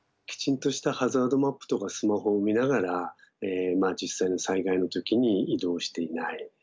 ちゃんとしたハザードマップとかスマホを見ながら実際の災害の時に移動していない。